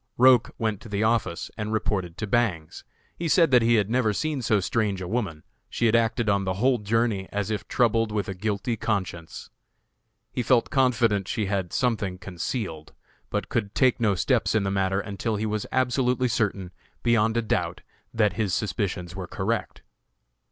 Roch went to the office and reported to Bangs. He said that he had never seen so strange a woman; she had acted on the whole journey as if troubled with a guilty conscience. He felt confident she had something concealed, but could take no steps in the matter until he was absolutely certain, beyond a doubt, that his suspicions were correct.